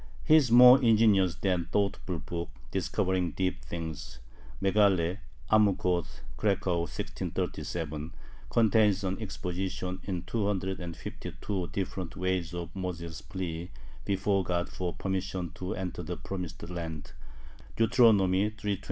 His more ingenious than thoughtful book, "Discovering Deep Things" (Megalle `Amukoth, Cracow, 1637), contains an exposition in two hundred and fifty two different ways of Moses' plea before God for permission to enter the Promised Land (Deuteronomy iii. 23).